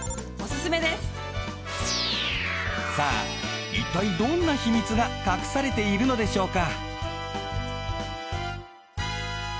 さあいったいどんなヒミツが隠されているのでしょうか。